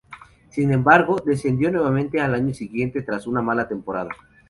Sin embargo, descendió nuevamente al año siguiente tras una mala temporada.